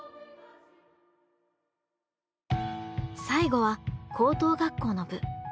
最後は高等学校の部。